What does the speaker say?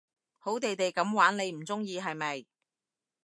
好地地噉玩你唔中意係咪？